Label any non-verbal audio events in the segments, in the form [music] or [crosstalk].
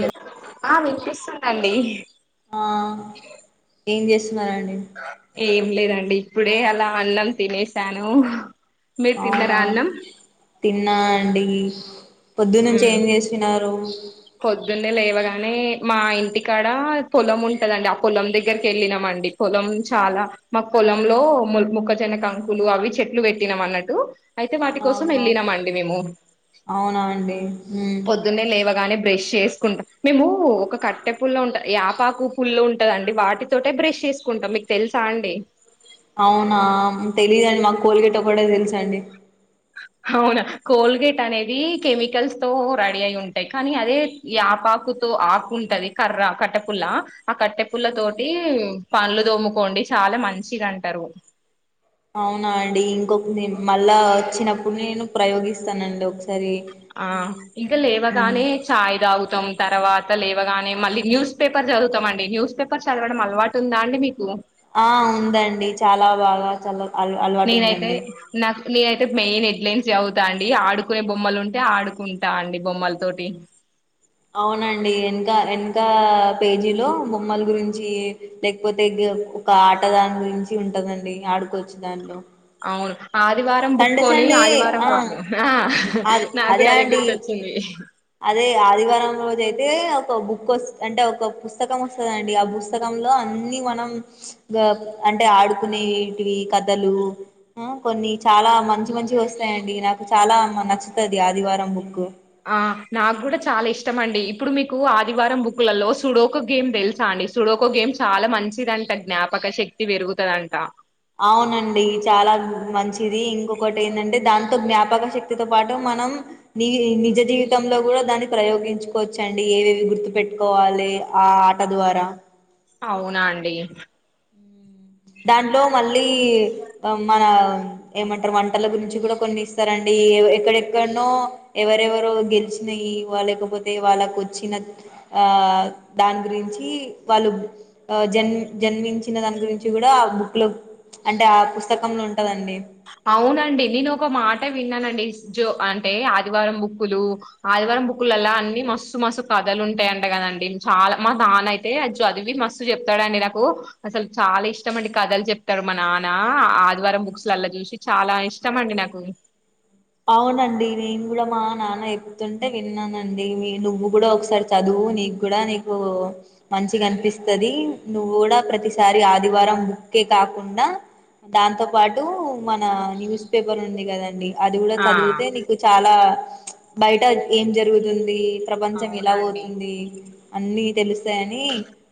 Hello ఆ విన్పిస్తుందండి ఆ ఏం చేస్ స్తున్నారండి ఏం లేదండి ఇప్పుడే అలా అన్నం తినేసాను మీరు తిన్నారా అవునా అన్నం తిన్నా అండీ పొద్దున్నుంచి మ్మ్ ఏం చేసినారు గానే మా ఇంటికాడ పొలం ఉంటదండి ఆ పొలం దగ్గరకి వెళ్ళినం అండి పొలం చాలా మా పొలంలో ము మొక్కజన్న కంకులు అవి చెట్లు పెట్టినం అన్నట్టు అయితే వాటి కోసం అవునా వెళ్ళినమండి మేము అవునా అండి ఉమ్ పొద్దున్నే లేవగానే బ్రష్ చేసుకుంటాం మేము ఒక కట్టె పుల్ల ఉంట యాపాకు పుల్లఉంటందండి వాటితోట బ్రష్ చేసుకుంటాం మీకు తెలుసా అండి అవునా తెలియదండి మాకు కోల్గేట్ ఒకటే తెలుసండి అవునా కోల్గేట్ అనేది కెమికల్స్ తో రెడీ అయి ఉంటాయి కానీ అదే యాపాకుతో ఆకు ఉంటంది కర్ర కట్టెపుల్ల ఆ కట్టె పుల్లతోటి పళ్లు తోమ్మకోండి చాలా మంచిగా అంటారు అవునా అండి ఇంకొక మళ్ళా వచ్చినప్పుడు నేను ప్రయోగిస్తానండి ఒకసారి ఆ ఉమ్. ఇంకా ఉమ్. లేవగానే చాయ్ తాగు తర్వాత లేవగానే మళ్ళీ న్యూస్ పేపర్ చదుతాంమండి న్యూస్ పేపర్ చదవడం అలవాటు ఉందా అండి మీకు ఆ ఉందండి చాలా బాగా చల నేనైతే నాకు నేనయితే మెయిన్ హెడ్లైన్స్ చదువుతా అండి ఆడుకునే బొమ్మలు ఉంటే ఆడుకుంటా అండి బొమ్మల తోటి అవునండి వెనక వెనక పేజీలో బొమ్మల గురించి లేకపోతే ఒక ఆటదాని గురించి ఉంటదండి ఆడుకోవచ్చు దాట్లో అవును ఆదివారం బుక్ సండే కొని సండే ఆదివారం ఆ రోజు ఆ అరు నాకు అదే కూడా అండి గుర్తొచ్చింది అదే ఆదివారం రోజు అయితే ఒక బుక్ వస్తఅంటే ఒక పుస్తకం వస్తందండి ఆ పుస్తక లో అన్ని మనం అంటే ఆడుకునేటివి కథలు కొన్ని చాలా మంచి మంచి వస్తాయంండి నాకు చాలా నచ్చుతుది ఆదివారం బుక్ ఆ నాకు కూడా చాలా ఇష్టం అండి ఇప్పుడు మీకు ఆదివారం బుక్లలో సుడోకో గేమ్ తెలుసా అండి సుడోకో గేమ్ చాలా మంచిదంట జ్ఞాపక శక్తి పెరుగుతుందంట అవునండి చాలా మంచి ఇది ఇంకొకటి ఏంటంటే దాంతో జ్ఞాపక శక్తితో పాటు మనం నీ ని జీవితంలో కూడా దణిక్ ప్రయోగించుకోవచ్చండి ఏవేవి గుర్తు పెట్టుకోవాలి ఆ ఆట ద్వారా అవునా అండి దాంట్లో మళ్ళీ మన ఏమంటారు వంటల గురించి కూడా కొన్ని ఇస్తారంండి ఎక్కడెక్కడనో ఎవరెవరో గెలిచినయి వా లేకపోతే వాళ్ళకు వచ్చి ఆ దాని గురించి వాళ్ళు జన్ జన్ జన్మించిన దాని గురించి కూడా ఆ బుక్ లో అంటే ఆ పుస్తకంంలో ఉంటదండి అవునండి నేను ఒక మాట యా విన్నానండి జో అంటే ఆదివారం బుక్కులు ఆదివారం బుక్లులా అన్ని మస్తు మస్తు కథలు ఉంటాయంట కదండి చాలా ఆమా నాన్న అయితే చదివి మస్తు చెప్తాడుండి నాకు అసలు చాలా ఇష్టం అండి కథలు చెప్తాడు మా నాన్న ఆదివారం బుక్స్ లల్ల గీసి చాలా ఇష్టమ అండి నాకు అవునండి వేను కూడా మా నాన్న ఎప్పుతుంటే విన్నానండి నువ్వు కూడా ఒకసారి చదువు నీకు కూడా నీకు మంచి అనిపిస్తుది నువ్వు కూడా ప్రతిసారి ఆదివారం బుక్కే కాకుండా దాంతో పాటు మన న్యూస్ పేపర్ ఉంది కదాఅండి అది కూడా ఆ చదివితే నీకు చాలా బయట ఏం జరుగుతుంది ప్రపంచం ఎలా అవునండి. పోతుంది అన్ని తెలుస్తాయని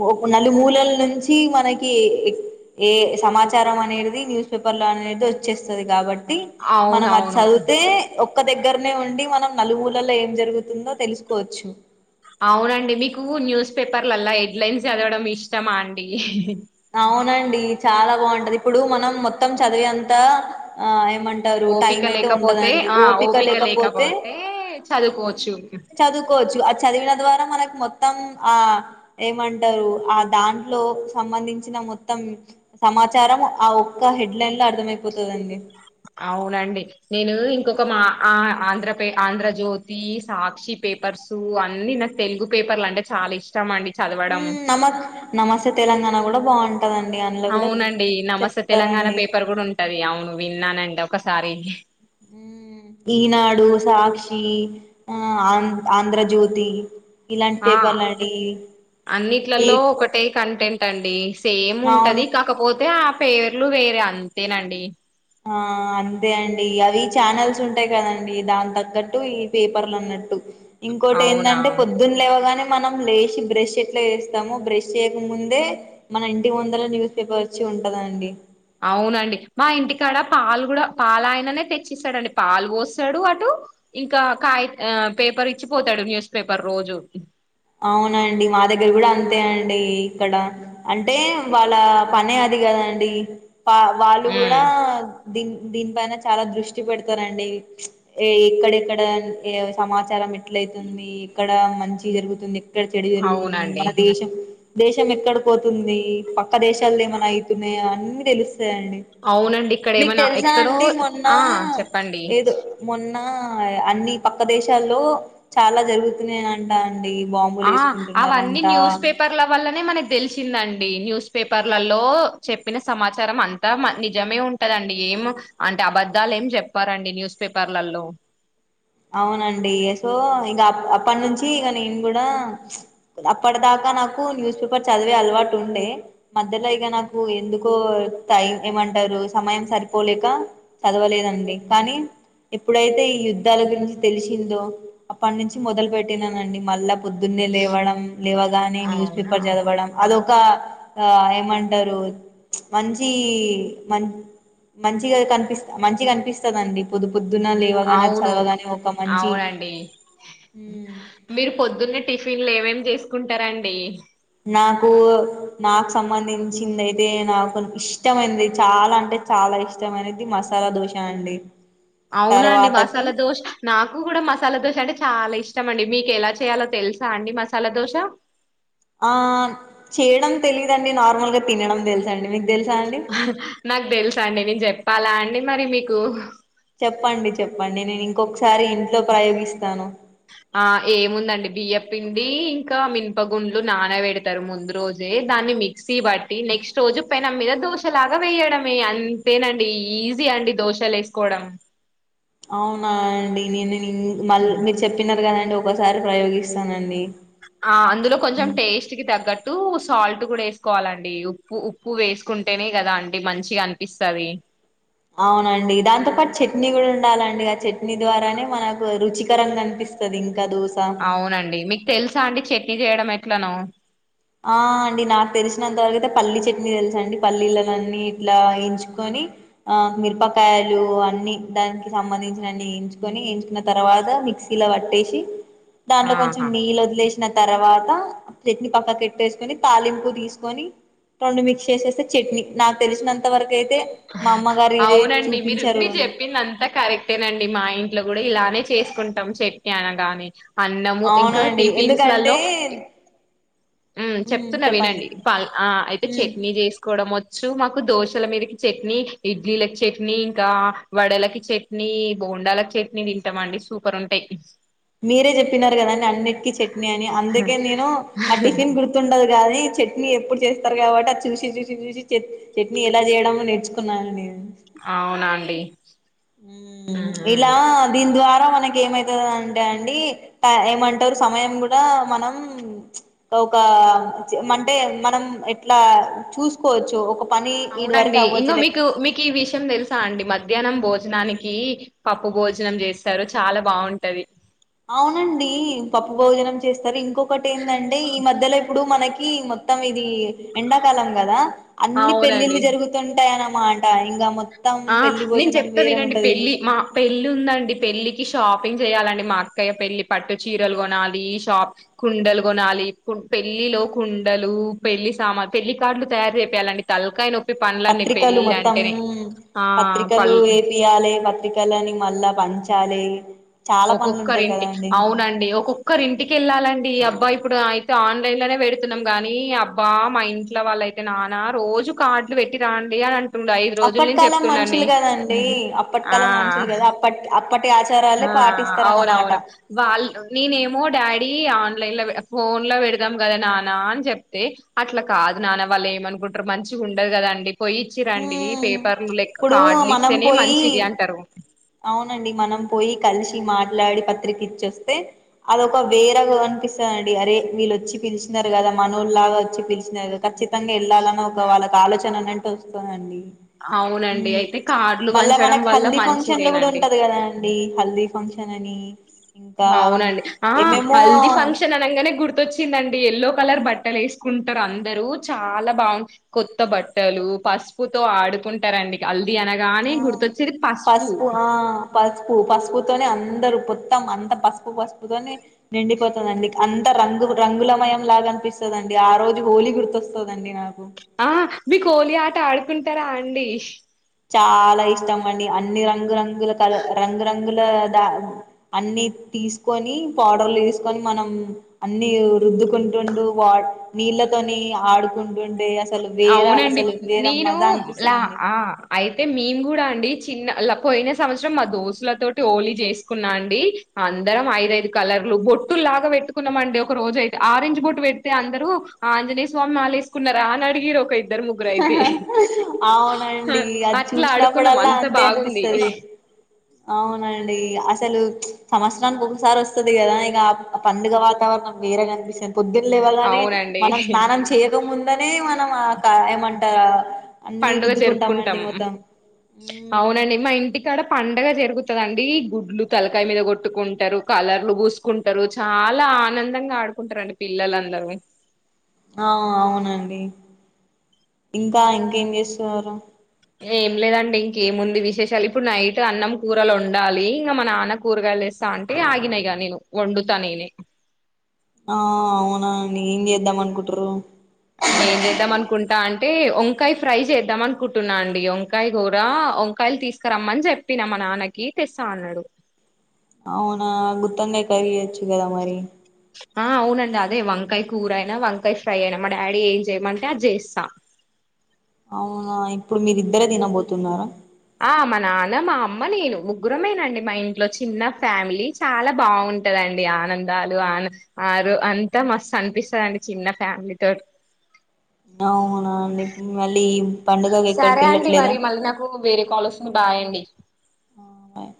పోపుల నల మూలలు నుంచి మనకి ఏ సమాచారం అనేది ది న్యూస్ పేపర్ లాచ్ అయితే వచ్చేస్తది కాబట్టి మనం అను అవునవును. చదువుతే ఓక్ క్క దగ్గరనే ఉండి మనం నలుమూలల ఏం జరుగుతుందో తెలుసుకోవచ్చు అవునండి మీకు న్యూస్ పేపర్లల్లా హెడ్లైన్స్ చదవడం ఇష్టమా అండి అవునండి చాలా బాగుంటది ఇప్పుడు మనం మొత్తం చదివేంత ఆ కుంటారు టైం ఓపిక అయితే లేకపోతే ఉండదండి ఆ ఓపిక లేకపోతే చదువుకోవచ్చు. [inaudible] చదువుకోవచ్చు చదివిన ద్వారా మనకు మొత్తం ఆ ఏమంటారు ఆ దాంట్లో సంబంధిం చిన మొత్తం సమాచారం ఆ ఒక్క హెడ్ లైన్ లో అర్థమయిపోతుందండి అవునండి నేను ఇంకొక మా ఆ ఆంధ్ర పే ఆంధ్రజ్యోతి సాక్షి పేపర్సు అన్నీ నాకు తెలుగు పేపర్లు అంటే చాలా ఇష్టం అండి హు చదవడం నమక్ నమస్తే తె తెలంగాణ కూడా బాగుంట అవునండి నమస్తే తెలంగాణ పేపర్ కూడా ఉంటది అవును విన్నానండి ఒకసారి హు ఈనాడు సాక్షి ఆ ఆం ఆంధ్రజ్యోతి ఇలాంటి ఆ పేపర్లు అండి ఈ అన్నిట్లలో ఒకటే కంటెంట్ అండి సేమ్ అవును ఉంటది కాకపోతే ఆ పేవ్ పేర్లు వేరే అంతేనండి ఆ అంతే అండి అవి ఛానల్స్ ఉంటాయి కదండి దాని తగ్గట్టు ఈ పేపర్లు అన్నట్టు ఇంకోటి అవునా ఏందింటే పొద్దున్న లేవగానే మనం లేచి బ్రష్ ఎట్లా చేస్తామో బ్రష్ చేయక ముందే మన ఇంటి ముందల న్యూస్ పేపర్ వచ్చి ఉంటదండి అవునండి మా ఇంటికాడ పాలు కూడా పాల ఆయననే తెచ్చిస్తాడండి పాలు పోస్తాడు అటు ఇంకా కాయి ఆ పేపర్ ఇచ్చిపోతాడు న్యూస్ పేపర్ రోజు అవునండి మా దగ్గర గూడా అంతే అండి ఇక్కడ అంటే వాళ్ల పనే అది గదా అండి పా వాళ్లు ఉమ్ గూడా దిన్ దీనిపైన చాలా దృష్టి పెడతారండి ఏ ఎక్కడెక్కడ ఏ సమాచారం ఎట్లయితుంది ఎక్కడ మంచి జరుగుతు తుంది ఎక్కడ చెడు జరుగుతుంది అవునండి మన దేశం దేశం ఎక్కడ పోతుంది పక్క దేశాలది ఏమన్నా ఐతున్నాయా అన్ని తెలుస్తు తయండి అవునండి ఇక్కడ మీకు ఏమైనా తెలుసా ఎక్కడో అండి మొన్న ఆ చెప్పండి ఏదో మొన్న ఆ అన్ని పక్క దేశాల్లో చాలా జరుగుతున్నాయంట అండి బాంబులు ఆ అవన్నీ వేసుకుంటున్నారంట న్యూస్ పేపర్ల వల్లనే మనక్ తెలిసిందండి న్యూస్ పేపర్లలో చెప్పిన సమాచారం అంతా నిజమే ఉంటందండి ఏమో అంటే అబద్ధాలు ఏం చెప్పారండి న్యూస్ పేపర్లలో అవునండి సో ఇగ అప్పటి నుంచి ఇగ నేను గూడా అప్పటిదాకా నాకు న్యూస్ పేపర్ చదివే అలవాటు ఉండే మధ్యలో ఇగ నాకు ఎందుకో టైం ఏమంటారు సమయం సరిపోలేక చదవలేదండి కానీ ఎప్పుడైతే ఈ యూదు ద్ధాల గురించి తెలిసిందో అప్పటి నుంచి మొదలు పెట్టినానండి మల్ల పొద్దున్నే లేవడం లేవగానే న్యూస్ అవునా పేపర్ చదవడం అదొ క్క ఏమంటారు మంచి మం మంచిగా కనిపిస్త మంచి అనిపిస్తదండి పొదుపు పొద్దున్న లేవగనే అవునండి ఉమ్ మీరు పొద్దున్నే టిఫిన్లు ఏమేమి చేసుకుంటార అండి నాకు మాకు సంబంధించింది అయితే నాకు ఇష్టమైంది చాలా అంటే చాలా ఇష్టమైనది మసాలా దోశ అండి అవునండి తర్వాతకి మసాలా దోశ నాకు కూడా మసాలా దోశ అంటే చాలా ఇష్ ఇష్టమండి మీకు ఎలా చేయాలో తెలుసా అండి మసాలా దోశ చెప్ ఆ చేయడం తెలీదండి నార్మల్ గా తినడం తెలుస అండి మీకు తెలుసా అండి నాకు తెలుసా అండి నేను చెప్ప పలా అండి మరి మీకు చెప్పండి చెప్పండి నేను ఇంకొక్ ఒకసారి ఇంట్లో ప్రయోగిస్తాను పిండి ఇంకా మీనాపగుండ్లు నానబెడతారు ముందు రోజే దాన్ని మిక్సీ బట్టి నెక్స్ట్ రోజు పెనం మీద దోశలాగా వేయడమే అంతేనండి ఈజీ అండి దోశలు వేసుకోవడం అవునా అండి నేను నింగ్ మళ్ మీరు చెప్పినారు కదా అండీ అ ఒకసారి ప్రయోగిస్తానండి ఆ అందులో కొంచెం టేస్ట్ కి తగ్గట్ టు సాల్ట్ కూడా వేసుకోవాలండి ఉప్పు ఉప్పు వేసుకుంటేనే కదా అంటడి మంచిగా అనిపిస్తది అవునండి దాంతో పాటు చట్నీ కూడా ఉండాలండి ఆ చట్నీ ద్వారానే మనకు రుచికరంగా కనిపిస్తది అవునండి మీకు తెలుసా అండి చెట్ ట్నీ చేయడము ఏట్లేనో ఆ అండి నాకు తెలిసినంతవరకుతే పల్లీ చట్నీ తెలుస అండి పల్లీలలన్ని ఇట్లా ఎంచుకొని ఆ మిరపకాయలు అన్ని దానికి సంబంధించినన్ని ఎంచుకొని ఎంచుకున్న తర్వాత మిక్సీలో పట్టేసి దాంట్లో కొంచం ఆహా నీళ్ళు వదిలేసి తర్వాత పట్ని పక్కకు పెట్టు ట్టే సుకుని తాలింపు తీసుకొని రెండు మిక్స్ చేసేస్తే చట్నీ నాకు తెలిసినంత వరకుయితే అవునండి మీరు మీరు అని చెప్పింది అంతా కరెక్టేనండి మా ఇంట్లో కూడా ఇలానే చేసుకుంటాం చట్నీ అనడానికి అన్నము ఇంకా అవునండి టిఫిన్స్ ఎందుకంటే లలో ఈ ఉమ్మ్ మ్మ్ చెప్తున్నా చెప్పండి వినండి పల్ ఆ అయితే మ్మ్ చట్నీ చేసుకోవడం శృ మాకు దోశల మీదకి చట్నీ ఇడ్లీకి చట్నీ ఇంకా వడలకి చట్నీ బోండాలకి చట్నీ తింటామ అండి సూపర్ ఉంటయి మీరే చెప్పినారు కదాండి అన్నిటికి చెట్ బిర్యాని అందుకే నేను ఆ టిఫిన్ గుర్తుండదు కానీ చట్నీ ఎప్పుడు చేస్తారు కాబట్టి అది చూసి చూసి చూసి చట్నీ ఎలా చేయడం నేర్చుకున్నాను నేను అవునా అండి మ్మ్ ఇలా దిని ద్వారా మనకి ఏమైతది అంటే అండి ఏమంటారు సమయం కూడా మనం ఒక అంటే మనం ఎట్లా చూసుకోవచ్చు ఒక పని ఈడి వరకు అవునండి అవ్వచ్చు ఇంగో మీకు లేక మీకు ఈ విషయం తెలుసా అండి మరి మధ్యాహ్నం భోజనానికి పప్పు భోజనం చేస్తారు చాలా బావుంటది అవునండి పప్పు భోజనం చేస్తారు ఇంకొకటి ఏంటంటే ఈ మధ్యలో ఇప్పుడు మనకి మొత్తం ఇది ఎండాకాలం కదా అన్ని అవునండి పెళ్లిళ్లు జరుగుతుంటాయన్నమ్ మాట ఇంగా మ ఆ నేను చెప్తా వినండి పెళ్ళి మా పెళ్లి ఉందండి పెళ్లి కి షాపింగ్ చేయాలండి మా అక్కయ్య పెళ్లి పట్టు చీరలు కొనాలి షాప్ కుండలు కొనాలి కు పెళ్లిలో కుండలు పెళ్లి సామాన్ పెళ్లి కార్డులు తయారుచేపియాలండి తలకాయ నొప్పి. పనులన్నీ పత్రికలు పెళ్ళి మొత్తం అంటేనే ఆ పత్రికలు పల్ ఏపీ యాలే పత్రికలని మళ్ళ్ ఇట్ల పంచాలే ఒక్కొక్కరి ఇంటి అవునండి ఒక్కొక్కరి ఇంటికి వెళ్ళాలండి అ అబ్బా ఇప్పుడు అయితే ఆన్లైన్ లోనే పెడుతున్నాం కానీ అబ్బా మా ఇంట్లో వాళ్ళ అయితే నానా రోజు కార్డులు పెట్టి రాండి అని అం అప్పటి కాలం మనుషులు కదా అండి అప్పటి కాలం ఆ మనుషులు కదా అప్పటి ఆచారాలే ఆ పాటిస్తారన్నమాట అవునవును వాళ్ళు నేనేమో డాడీ ఆ ఇలా ఫోన్ లో పెడదాం కదా నానా అని చెప్తే అట్లా కాదు నానా వాళ్ళు ఏమనుకుంటారు మంచిగా ఉండదు కదాండి పోయిచ్చి రండి ఉమ్ పేపర్లు లెక్క ఇప్పుడు కార్డులు మనం ఇస్తేనే మంచిది పోయి అంటారు అవునండి మనం పోయి కలిసి మాట్లాడి పత్రిక ఇచ్చ వస్తే అదొక వేరగా అనిపిస్తుందండి అరే వీళ్ళు వచ్చి పిలిచినారు కదా మనలాగా వచ్చి పిలిచినారు కా ఖచ్చితంగా వెళ్ళాలన్న ఒక వాళ్ళకి ఆలోచన అ అంటే వస్తునండి అవునండి అయితే కార్డులు పంచడం మనకి వల్ల హల్దీ మంచి ఫంక్షన్ కూడా ఉంటది కదా అండి హల్ది ఫంక్షన్ అని ఇంకా అవునండి ఆ ఏమేమో హల్ది ఫంక్షన్ అనగానే గుర్తు వచ్చిందండి ఎల్లో కలర్ బట్టలు వేసుకుంటారు అందరుూ చాలా బాగు కొత్త బట్టలు పసుపుతో ఆడుకుంటారండి అనగానే ఆ గుర్తొచ్చేది పసుపు ఆ పసుపు పసుపుతోనే అ అందరుూ మొత్తం అంత పసుపు పసుపుతో నిండిపోతుందిండి అంత రంగు రంగులమయం లాగా అనిపిస్తుందిండి ఆ రోజు హోలీ గుర్తొస్తుందండి నాకు ఆ మీకు హోలీ ఆట ఆడుకుంటారా అండి చాలా ఇష్టం అండి అన్ని రంగురంగుల కల రంగురంగుల దా అన్ని తీసుకొని పౌడర్లు తీసుకొని మనం అన్ని రుద్దుకుంటుండు వా నీళ్లతోని ఆడుకుంటుండు రే అసలు వేరే అవునండి అసలు వేరే నేను మజ లా అనిపిస్తుందండి ఆ అయితే మేము కూడా అండి చిన్న పోయిన సంవత్సరం మా దోస్తుల తటి హోళీ చేసుకున్నా అండి అందరం ఐదఐదు కలర్లు బొట్టులు లాగా పెట్టుకున్నాం అండి ఒక రోజు అయితే ఆరెంజ్ బొట్టు పెడితే అందరుూ ఆంజనేయ స్వామి మాలా లేసుకున్నారా నడిగి రొకైంది అవునండి అది అట్లా ఆడుకున్నాం చూసినప్పుడల్లా అంత అంతే బాగుంది అనిపిస్తుది అవునండి అస్ సలు సంవత్సరానికి ఒకసారి వస్తుది కదా ఇగ ఆ పండుగ వాతావరణం వేరేగా అనిపిస్స పొద్దున లేవాలని అవునండి మనం స్నానం చేయక మున్ దనే మనం ఆ కా ఏమంటా పండుగ జరుపుకుంటాం ఉమ్ అవునండి మా ఇంటికాడ పం డగా జరుగుతుదండి గుడ్లు తలకాయ మీద కొట్టుకుంటరు, కలర్లు పూసుకుంటరు చాలా ఆనందంగా ఆడుకుంటారండి పిల్లలందరూ. ఆ అవునండి ఇంకా ఇంకేం చేస్తున్నరు. ఏం లేదండి. ఇంకేముంది విశేషాలు ఇప్పుడు నైట్ అన్నం కూరలు ఒండాలి. ఇంగా మా నాన్న కూరగాయలు తెస్తా అంటే ఆగినా యిగా నేను వండుతా నేనే. ఆ అవునా అండి ఏం చేద్దాం అనుకుంట్రూ. ఏం చేద్దాం అనుకుంటా అంటే ఒంకాయ ఫ్రై చేద్దాం అనుకుంటున్నా అండి. ఒంకాయ కూర ఒంకాయలు తీసుకురమ్మని చెప్పినా మా నాన్నకి తెస్తా అన్నడు. అవునా గుత్తోంకాయా కరీయొచ్చు కదా మరి. ఆ అవునండి అదే వంకాయ కూర అయినా, వంకాయ ఫ్రై అయినా మా డాడీ ఏం చేయమంటే అది చేస్తా. అవునా ఇప్పుడు మీరిద్దరే తినబోతున్నరా. ఆ మా నాన్న, మా అమ్మ, నేను ముగ్గురమేనండి. మా ఇంట్లో చిన్న ఫ్యామిలీ చాలా బావుంటదండి. ఆనందాలు ఆన ఆరు అంతా మస్తు అనిపిస్తదండి చిన్న ఫ్యామిలీతోని. అవునా నీకు మళ్ళీ పండుగకి ఎక్కడికి సరే అండి వెళ్ళట్లేదా మరి మళ్ళీ నాకు వేరే కాల్ వస్తుంది. బాయండి. బాయ్